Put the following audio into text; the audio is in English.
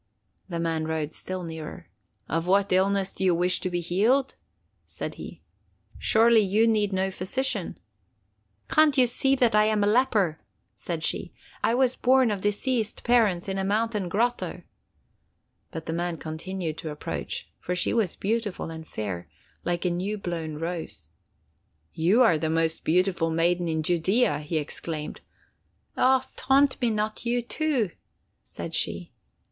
The man rode still nearer. 'Of what illness do you wish to be healed?' said he. 'Surely you need no physician!' 'Can't you see that I am a leper?' said she. 'I was born of diseased parents in a mountain grotto.' But the man continued to approach, for she was beautiful and fair, like a new blown rose. 'You are the most beautiful maiden in Judea!' he exclaimed. 'Ah, taunt me not—you, too!' said she.